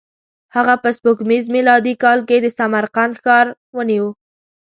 هغه په سپوږمیز میلادي کال کې د سمرقند ښار ونیو.